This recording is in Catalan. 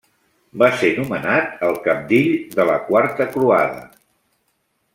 Va ser nomenat el cabdill de la quarta croada.